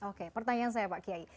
oke pertanyaan saya pak kiai